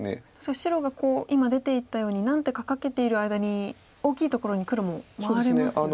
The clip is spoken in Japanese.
白が今出ていったように何手かかけている間に大きいところに黒も回れますよね。